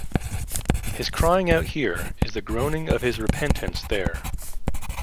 His crying out here is the groaning of his repentance there.